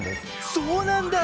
そうなんだ！